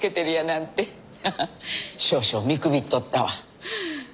少々見くびっとったわ。